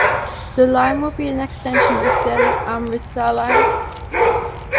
The line will be an extension of Delhi–Amritsar line.